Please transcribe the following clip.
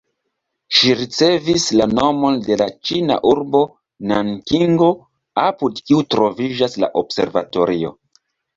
Ĝi ricevis la nomon de la ĉina urbo Nankingo, apud kiu troviĝas la observatorio.